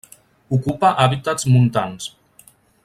Ocupa hàbitats montans.